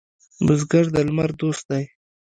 بزګر د لمر دوست دی